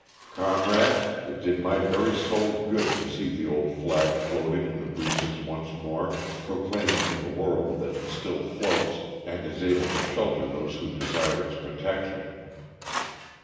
Comrades, it did my very soul good to see the old flag floating in the breezes once more, proclaiming to the world that it still floats and is able to shelter those who desire its protection.